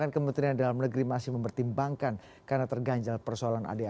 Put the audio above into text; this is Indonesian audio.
kementerian dalam negeri masih mempertimbangkan karena terganjal persoalan adart atau mas fbi